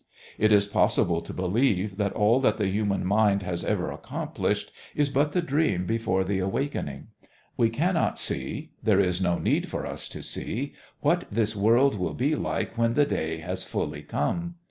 It is possible to believe that all that the human mind has ever accomplished is but the dream before the awakening. We cannot see, there is no need for us to see, what this world will be like when the day has fully come.